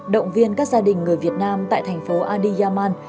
động viên các gia đình người việt nam tại thành phố adiyaman